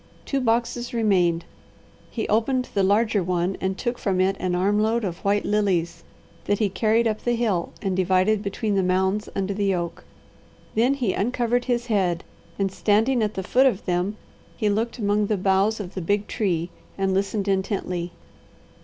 Two boxes remained. He opened the larger one and took from it an arm load of white lilies that he carried up the hill and divided between the mounds under the oak. Then he uncovered his head, and standing at the foot of them he looked among the boughs of the big tree and listened intently.